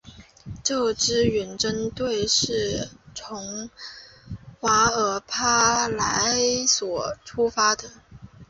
这支远征队是从瓦尔帕莱索出发的。